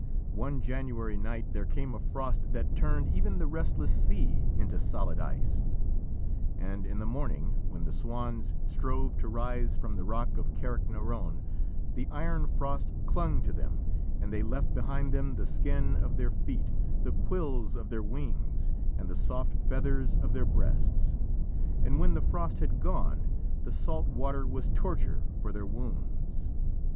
One January night there came a frost that turned even the restless sea into solid ice, and in the morning, when the swans strove to rise from the rock of Carricknarone, the iron frost clung to them and they left behind them the skin of their feet, the quills of their wings, and the soft feathers of their breasts, and when the frost had gone, the salt water was torture for their wounds.